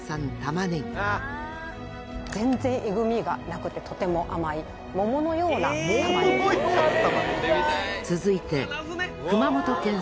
全然えぐみがなくてとても甘い桃のような玉ねぎ。続いて。